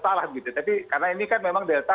salah gitu tapi karena ini kan memang delta